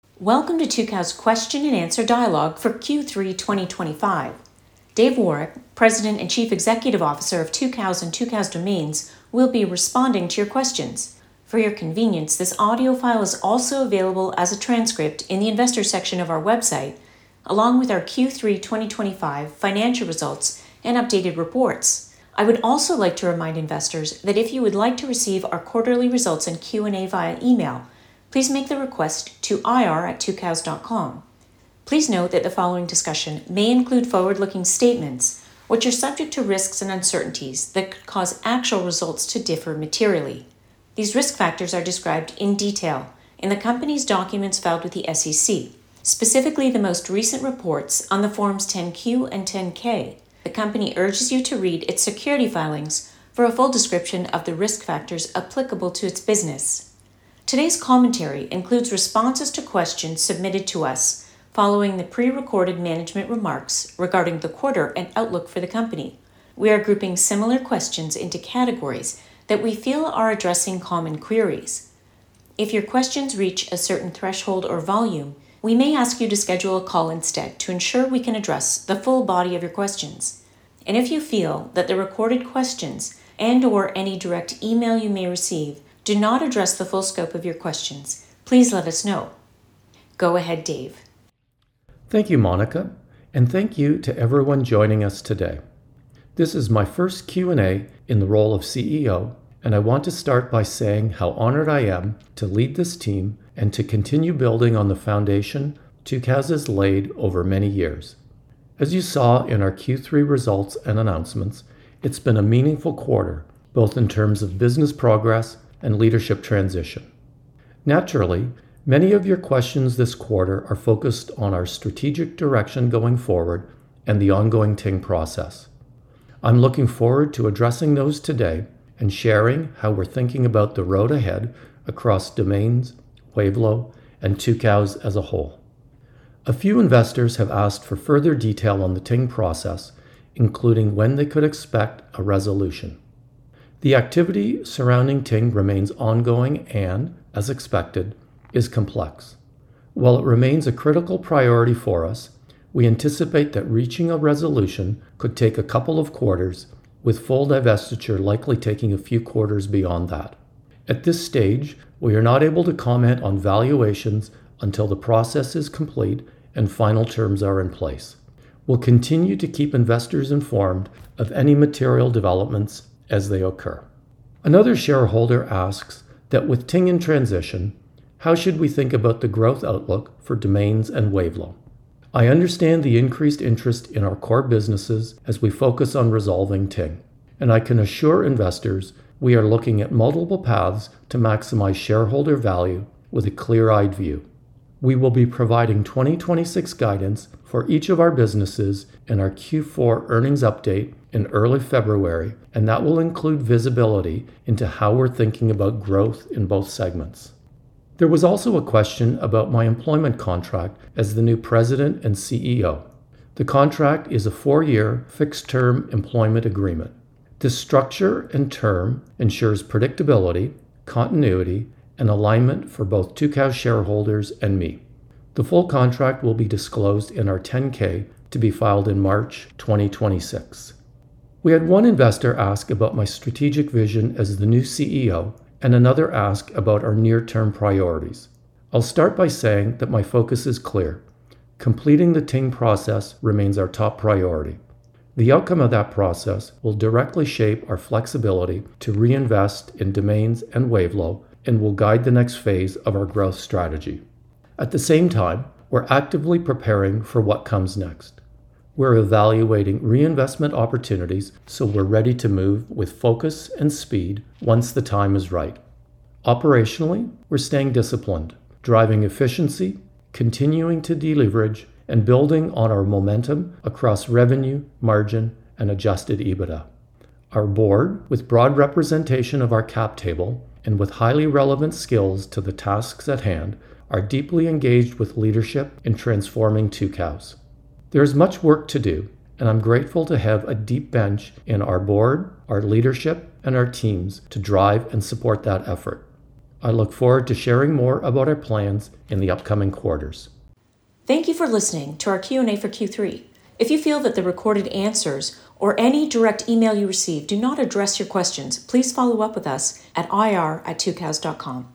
Welcome to Tucows Question and Answer Dialogue for Q3 2025. Dave Woroch, President and Chief Executive Officer of Tucows and Tucows Domains, will be responding to your questions. For your convenience, this audio file is also available as a transcript in the investor section of our website, along with our Q3 2025 financial results and updated reports. I would also like to remind investors that if you would like to receive our quarterly results and Q&A via email, please make the request to ir@tucows.com. Please note that the following discussion may include forward-looking statements, which are subject to risks and uncertainties that could cause actual results to differ materially. These risk factors are described in detail in the company's documents filed with the SEC, specifically the most recent reports on the Forms 10-Q and 10-K. The company urges you to read its security filings for a full description of the risk factors applicable to its business. Today's commentary includes responses to questions submitted to us following the pre-recorded management remarks regarding the quarter and outlook for the company. We are grouping similar questions into categories that we feel are addressing common queries. If your questions reach a certain threshold or volume, we may ask you to schedule a call instead to ensure we can address the full body of your questions. If you feel that the recorded questions and/or any direct email you may receive do not address the full scope of your questions, please let us know. Go ahead, Dave. Thank you, Monica, and thank you to everyone joining us today. This is my first Q&A in the role of CEO, and I want to start by saying how honored I am to lead this team and to continue building on the foundation Tucows has laid over many years. As you saw in our Q3 results and announcements, it's been a meaningful quarter, both in terms of business progress and leadership transition. Naturally, many of your questions this quarter are focused on our strategic direction going forward and the ongoing Ting process. I'm looking forward to addressing those today and sharing how we're thinking about the road ahead across Domains, Wavelo, and Tucows as a whole. A few investors have asked for further detail on the Ting process, including when they could expect a resolution. The activity surrounding Ting remains ongoing and, as expected, is complex. While it remains a critical priority for us, we anticipate that reaching a resolution could take a couple of quarters, with full divestiture likely taking a few quarters beyond that. At this stage, we are not able to comment on valuations until the process is complete and final terms are in place. We'll continue to keep investors informed of any material developments as they occur. Another shareholder asks that with Ting in transition, how should we think about the growth outlook for Domains and Wavelo? I understand the increased interest in our core businesses as we focus on resolving Ting, and I can assure investors we are looking at multiple paths to maximize shareholder value with a clear-eyed view. We will be providing 2026 guidance for each of our businesses in our Q4 earnings update in early February, and that will include visibility into how we're thinking about growth in both segments. There was also a question about my employment contract as the new President and CEO. The contract is a four-year fixed-term employment agreement. The structure and term ensures predictability, continuity, and alignment for both Tucows shareholders and me. The full contract will be disclosed in our 10-K to be filed in March 2026. We had one investor ask about my strategic vision as the new CEO, and another asked about our near-term priorities. I'll start by saying that my focus is clear. Completing the Ting process remains our top priority. The outcome of that process will directly shape our flexibility to reinvest in Domains and Wavelo and will guide the next phase of our growth strategy. At the same time, we're actively preparing for what comes next. We're evaluating reinvestment opportunities so we're ready to move with focus and speed once the time is right. Operationally, we're staying disciplined, driving efficiency, continuing to deleverage, and building on our momentum across revenue, margin, and adjusted EBITDA. Our board, with broad representation of our cap table and with highly relevant skills to the tasks at hand, is deeply engaged with leadership in transforming Tucows. There is much work to do, and I'm grateful to have a deep bench in our board, our leadership, and our teams to drive and support that effort. I look forward to sharing more about our plans in the upcoming quarters. Thank you for listening to our Q&A for Q3. If you feel that the recorded answers or any direct email you received do not address your questions, please follow up with us at ir@tucows.com.